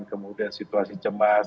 kemudian situasi cemas